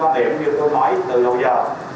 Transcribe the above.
sau này có nhu cầu quay trở lại phòng phố để học trực tiếp